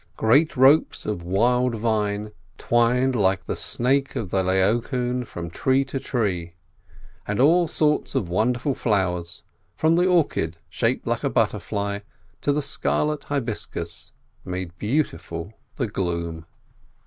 Great ropes of wild vine twined like the snake of the laocoon from tree to tree, and all sorts of wonderful flowers, from the orchid shaped like a butterfly to the scarlet hibiscus, made beautiful the gloom.